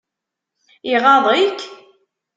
Iɣaḍ-ik?